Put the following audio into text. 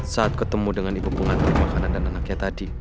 saat ketemu dengan ibu pengantin makanan dan anaknya tadi